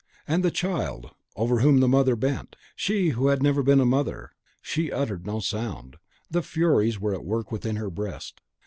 And the child, over whom the mother bent! she who had never been a mother! she uttered no sound; the furies were at work within her breast.